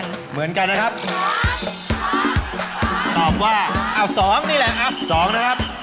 ๒นี่แหละอ่ะ๒นะครับ